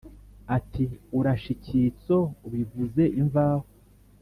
Ati: "Urashe icyitso ubivuze imvaho!